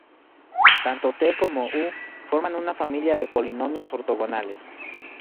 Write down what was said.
Tanto "T" como "U" forman una familia de polinomios ortogonales.